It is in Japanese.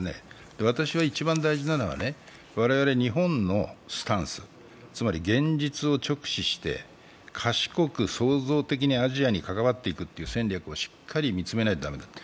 私は、一番大事なのは、我々日本のスタンス、つまり現実を直視して、賢く創造的にアジアに関わっていくという戦略をしっかり見つめないと駄目だと。